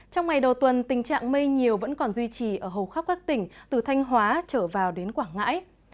trong ngày đầu tuần tình trạng mây nhiều vẫn còn duy trì ở hầu khắp các tỉnh từ thanh hóa trở vào đến quảng ngãi